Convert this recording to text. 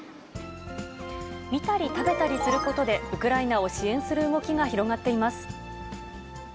見たり食べたりすることで、ウクライナを支援する動きが広がっています。